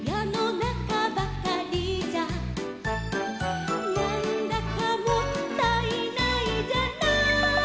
「なんだかもったいないじゃない」